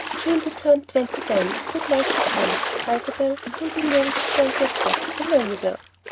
She'll be turned twenty then, and would like to come. Isabel, you'll be married before I get back, I know you will."